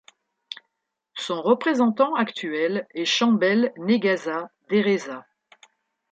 Son représentant actuel est Shambel Negasa Deresa.